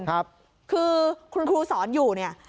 คือคุณครูสอนอยู่